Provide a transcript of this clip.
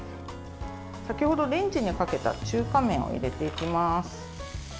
先ほどレンジにかけた中華麺を入れていきます。